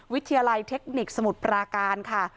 วิทยาลัยเทคนิคสมุทรปราการค่ะ